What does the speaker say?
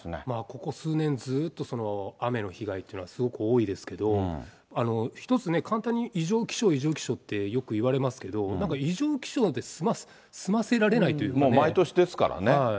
ここ数年、ずっと雨の被害というのはすごく多いですけど、１つね、簡単に異常気象、異常気象ってよく言われますけど、なんか異常気象で済ませられないもう毎年ですからね。